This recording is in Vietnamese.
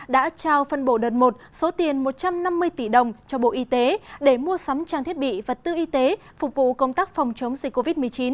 đã trao phân bộ đợt một số tiền một trăm năm mươi tỷ đồng cho bộ y tế để mua sắm trang thiết bị vật tư y tế phục vụ công tác phòng chống dịch covid một mươi chín